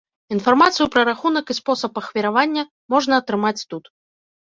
Інфармацыю пра рахунак і спосаб ахвяравання можна атрымаць тут.